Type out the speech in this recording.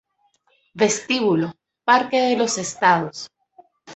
Vestíbulo Parque de los Estados